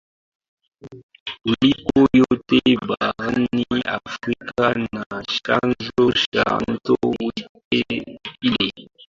kuliko yote Barani Afrika na chanzo cha mto White Nile